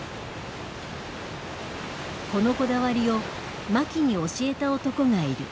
このこだわりを槇に教えた男がいる。